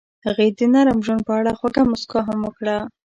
هغې د نرم ژوند په اړه خوږه موسکا هم وکړه.